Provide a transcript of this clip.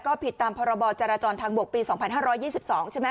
ก็ผิดตามพรจทางบปี๒๕๒๒ใช่ไหม